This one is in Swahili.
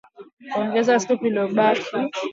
Ongeza supu iliyobaki na maji ili kupika mchanganyiko